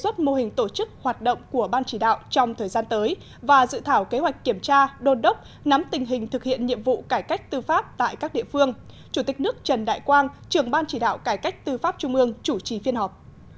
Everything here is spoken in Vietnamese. chủ tịch nước trần đại quang trường ban chỉ đạo cải cách tư pháp trung ương chủ trì phiên họp